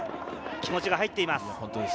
気持ちが入っています。